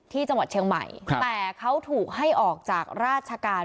ที่จังหวัดเชียงใหม่แต่เขาถูกให้ออกจากราชการ